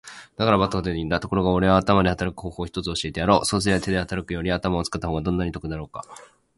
「だから馬鹿と言うんだ。ところがおれは頭で働く方法を一つ教えてやろう。そうすりゃ手で働くより頭を使った方がどんなに得だかわかるだろう。」